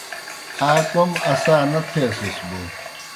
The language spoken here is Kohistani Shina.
آ کوْم اسا نہ تھیسَس بوْ